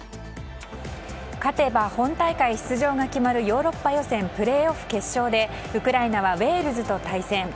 勝てば本大会出場が決まるヨーロッパ予選プレーオフ決勝でウクライナはウェールズと対戦。